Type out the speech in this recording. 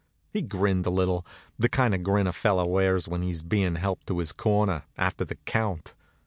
He grinned a little, the kind of grin a feller wears when he's bein' helped to his corner, after the count.